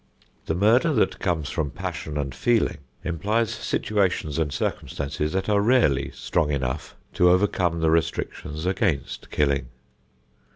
The murder that comes from passion and feeling implies situations and circumstances that are rarely strong enough to overcome the restrictions against killing.